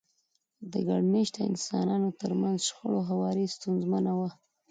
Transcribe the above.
د ګډ مېشته انسانانو ترمنځ شخړو هواری ستونزمنه وه.